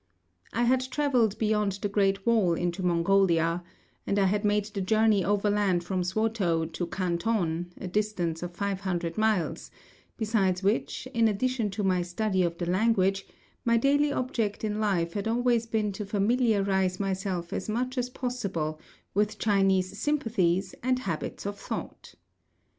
I had travelled beyond the Great Wall into Mongolia; and I had made the journey overland from Swatow to Canton, a distance of five hundred miles; besides which, in addition to my study of the language, my daily object in life had always been to familiarise myself as much as possible with Chinese sympathies and habits of thought.